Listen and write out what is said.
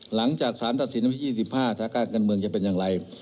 หลังจากสารตัดสินที่๒๕ศาลการเงินเมืองจะเป็นอย่างไร